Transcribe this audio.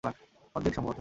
অর্ধেক, সম্ভবত।